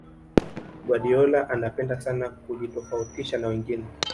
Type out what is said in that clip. guardiola anapenda sana kujitofautisha na wengine